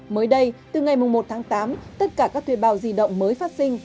mới đây từ ngày một tháng tám tất cả các thuê bào di động mới phát sinh